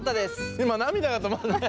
今涙が止まんない。